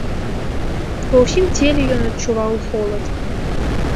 Ва ўсім целе ён адчуваў холад.